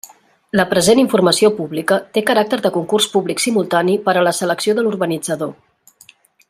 La present informació pública té caràcter de concurs públic simultani per a la selecció de l'urbanitzador.